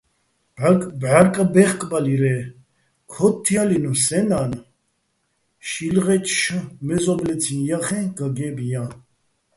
ბჺარკბე́ხბალირ-ე́, ქოთთჲალინო̆ სეჼ ნა́ნ ო შილღეჩო̆ მეზო́ბლეციჼ ჲახე́ჼ გაგე́ბ ჲაჼ.